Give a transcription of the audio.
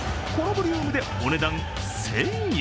このボリュームでお値段１０００円。